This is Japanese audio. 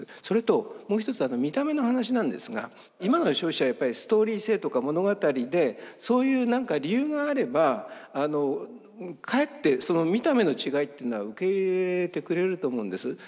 それともう一つはあの見た目の話なんですが今の消費者はやっぱりストーリー性とか物語でそういう何か理由があればかえってその見た目の違いっていうのは受け入れてくれると思うんです。